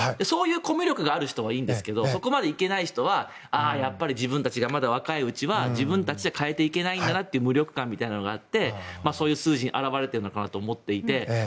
そういうコミュ力がある人はいいんですけどそこまでいけない人はやっぱり自分たちがまだ若いうちは自分たちで変えていけないんだなって無力感みたいなのがあってそういう数字に表れているのかなと思っていて。